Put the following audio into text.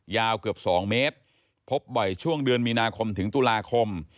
ยาวเกือบ๒เมตรพบบ่อยช่วงเดือนมีนาคมถึงตุลาคม